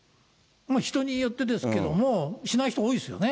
人によってですけども、しない人多いですよね。